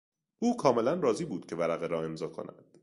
او کاملا راضی بود که ورقه را امضا کند.